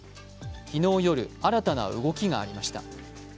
昨日夜、新たな動きがありました。